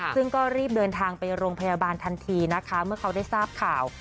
ซึ่งก็รีบเดินทางไปโรงพยาบาลทันทีนะคะเมื่อเขาได้ทราบข่าว